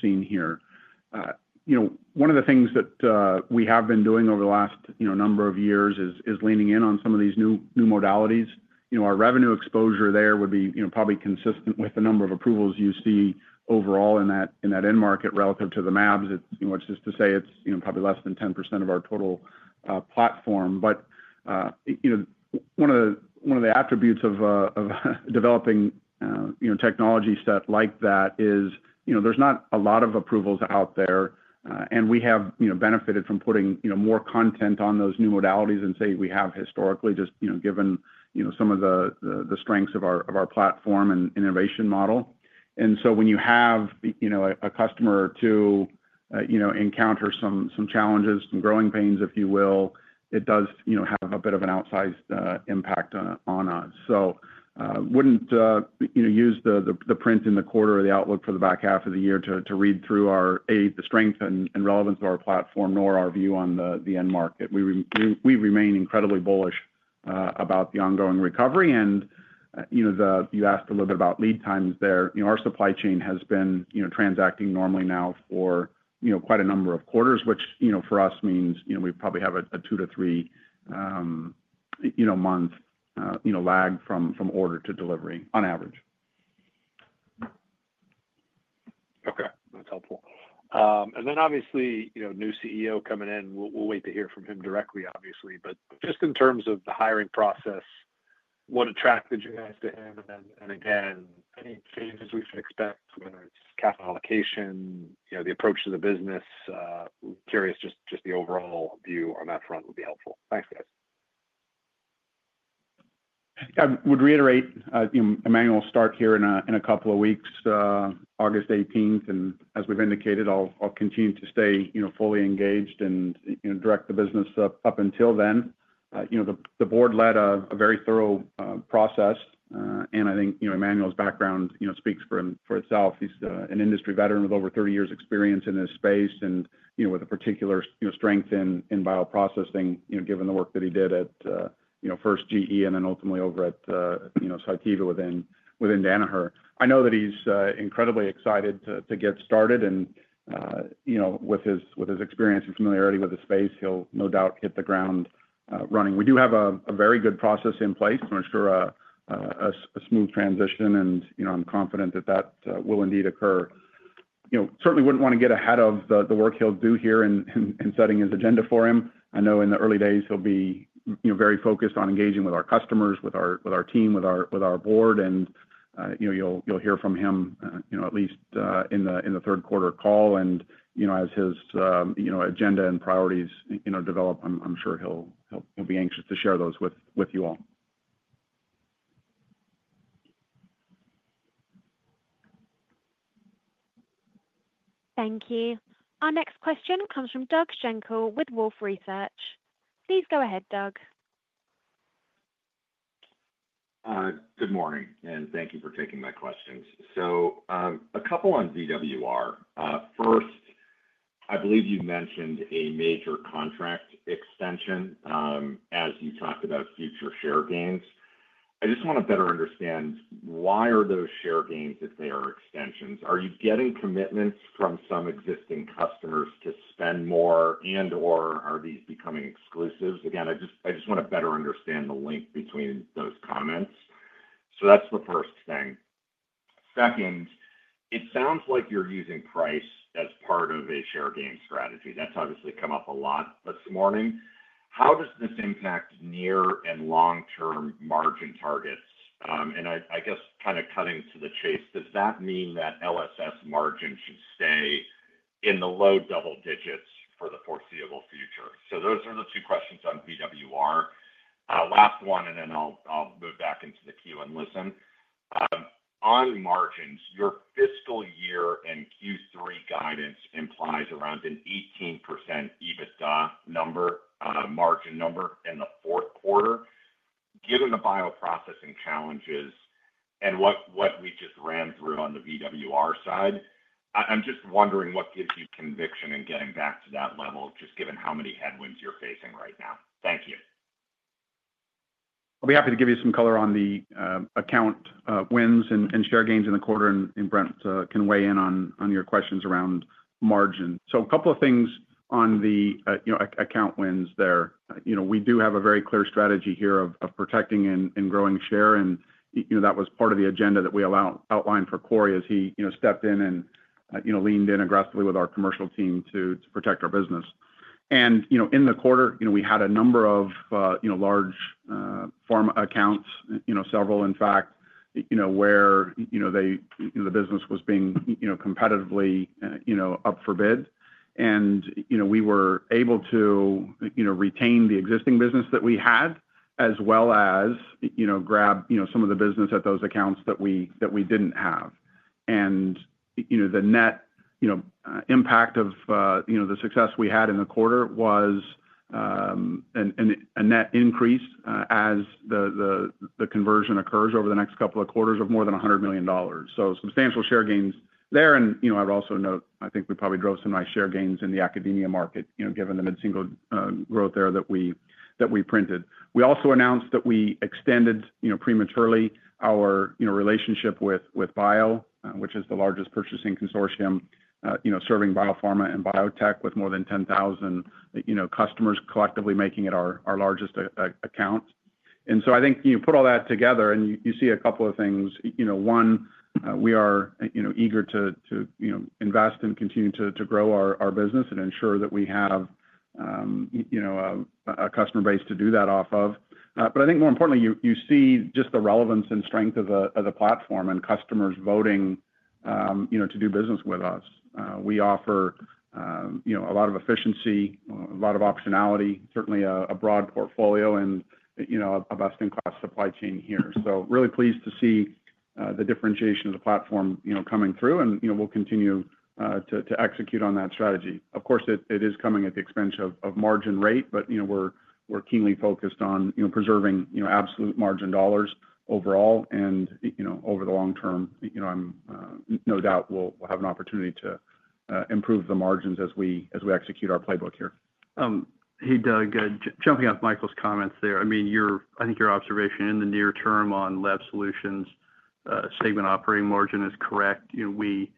seen here. One of the things that we have been doing over the last number of years is leaning in on some of these new modalities. Our revenue exposure there would be probably consistent with the number of approvals you see overall in that end market relative to the MABS, which is to say it's probably less than 10% of our total platform. One of the attributes of developing a technology set like that is there's not a lot of approvals out there, and we have benefited from putting more content on those new modalities than we have historically, just given some of the strengths of our platform and innovation model. When you have a customer encounter some challenges, some growing pains if you will, it does have a bit of an outsized impact on us. I wouldn't use the print in the quarter or the outlook for the back half of the year to read through or aid the strength and relevance of our platform, nor our view on the end market. We remain incredibly bullish about the ongoing recovery. You asked a little bit about lead times there. Our supply chain has been transacting normally now for quite a number of quarters, which for us means we probably have a two to three-month lag from order to delivery on average. Okay, that's helpful. Obviously, you know, new CEO coming in. We'll. We'll wait to hear from him directly, obviously. In terms of the hiring. Process, what attracted you guys to him? Again, any changes we should expect, whether it's capital allocation, the approach to the business. Curious. Just the overall view on that front would be helpful. Thanks, guys. I would reiterate, Emmanuel, start here in a couple of weeks, August 18th. As we've indicated, I'll continue to stay fully engaged and direct the business up until then. The board led a very thorough process. I think Emmanuel's background speaks for itself. He's an industry veteran with over 30 years experience in this space and with a particular strength in bioprocessing. Given the work that he did at first GE and then ultimately over at Cytiva within Danaher, I know that he's incredibly excited to get started. With his experience and familiarity with the space, he'll no doubt hit the ground running. We do have a very good process in place to ensure a smooth transition. I'm confident that will indeed occur. I certainly wouldn't want to get ahead of the work he'll do here in setting his agenda for him. I know in the early days, he'll be very focused on engaging with our customers, with our team, with our board. You'll hear from him at least in the third quarter call and as his agenda and priorities develop, I'm sure he'll be anxious to share those with you all. Thank you. Our next question comes from Doug Schenkel with Wolfe Research. Please go ahead, Doug. Good morning and thank you for taking my questions. A couple on VWR first, I. Believe you mentioned a major contract extension. As you talked about future share gains, I just want to better understand why are those share gains if they are extensions. Are you getting commitments from some existing customers to spend more and or are these becoming exclusives? I just want to. Better understand the link between those comments. That's the first thing. Second, it sounds like you're using price as part of a share gain strategy that's obviously come up a lot this morning. How does this impact near and long-term margin targets, and I guess kind of cutting to the chase, does that mean that LSS margin should stay in the low double digits for the foreseeable future? Those are the two questions on VWR. Last one, and then I'll move back into the queue and listen. On margins, your fiscal year and Q3 guidance implies around an 18% EBITDA margin number in the fourth quarter. Given the bioprocessing challenges and what we just ran through on the VWR side, I'm just wondering what gives you conviction in getting back to that level just given how many headwinds you're facing right now. Thank you. I'll be happy to give you some. Color on the account wins and share gains in the quarter and Brent can weigh in on your questions around margin. A couple of things on the account wins there. We do have a very clear strategy here of protecting and growing share and that was part of the agenda that we outlined for Corey as he stepped in and leaned in aggressively with our commercial team to protect our business. In the quarter, we had a number of large pharma accounts, several in fact, where the business was being competitively up for bid. We were able to retain the existing business that we had as well as grab some of the business at those accounts that we didn't have. The net impact of the success we had in the quarter was a net increase as the conversion occurs over the next couple of quarters of more than $100 million. Substantial share gains there. I'd also note, I think we probably drove some nice share gains in the academia market, given the mid single growth era that we printed. We also announced that we extended prematurely our relationship with Bio Business Solutions, which is the largest purchasing consortium serving biopharma and biotech with more than 10,000 customers collectively, making it our largest account. I think you put all that together and you see a couple of things. One, we are eager to invest and continue to grow our business and ensure that we have a customer base to do that off of. More importantly, you see just the relevance and strength of the platform and customers voting to do business with us. We offer a lot of efficiency, a lot of optionality, certainly a broad portfolio and a best in class supply chain here. Really pleased to see the differentiation of the platform coming through and we'll continue to execute on that strategy. Of course, it is coming at the expense of margin rate, but we're keenly focused on preserving absolute margin dollars overall and over the long term. No doubt we'll have an opportunity to improve the margins as we execute our playbook here. Hey Doug, jumping off Michael's comments there. I mean, I think your observation in the near term on Lab Solutions segment operating margin is correct. We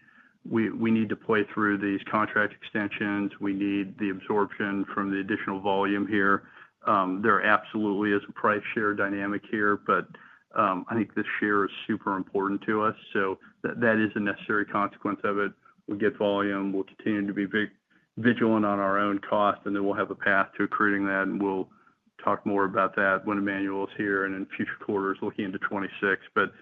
need to play through these contract extensions. We need the absorption from the additional volume here. There absolutely is a price share dynamic here, but I think this share is super important to us, so that is a necessary consequence of it. We get volume. We'll continue to be vigilant on our own cost, and then we'll have a path to accruing that. We'll talk more about that when Emmanuel is here and in future quarters looking into 2026. But.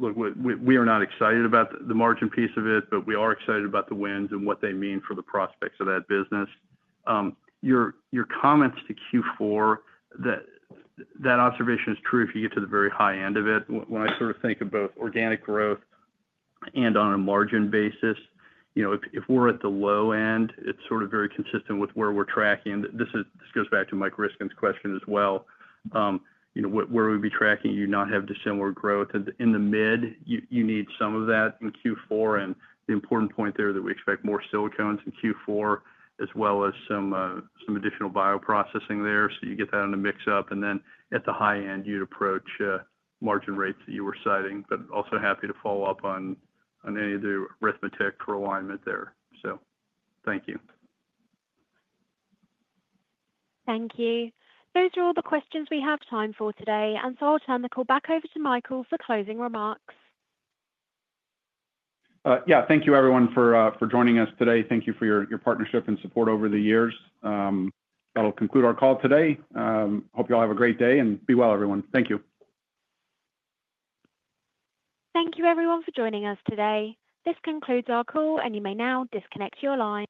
We are not excited about the margin piece of it, but we are excited about the wins and what they mean for the prospects of that business. Your comments to Q4, that observation is true if you get to the very high end of it. When I sort of think of both organic growth and on a margin basis, you know, if we're at the low end, it's sort of very consistent with where we're tracking. This goes back to Michael Ryskin's question as well, you know, where we'd be tracking. You not have dissimilar growth in the mid. You need some of that in Q4, and the important point there is that we expect more silicones in Q4 as well as some additional bioprocessing there. You get that in the mix up, and then at the high end, you'd approach margin rates that you were citing. Also, happy to follow up on any of the arithmetic for alignment there. Thank you. Thank you. Those are all the questions we have time for today, and I'll turn the call back over to Michael for closing remarks. Yeah, thank you everyone for joining us today. Thank you for your partnership and support over the years. That will conclude our call today. Hope you all have a great day and be well, everyone. Thank you. Thank you everyone for joining us today. This concludes our call, and you may now disconnect your line.